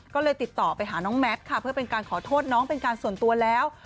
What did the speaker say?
ก็เลยติดต่อไปหาน้องแมทค่ะเพื่อเป็นการขอโทษน้องเป็นการส่วนตัวแล้ว